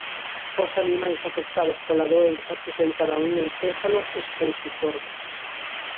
Os animais afectados pola doenza presentaban un encéfalo esponxiforme.